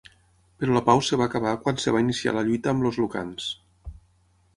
Però la pau es va acabar quan es va iniciar la lluita amb els lucans.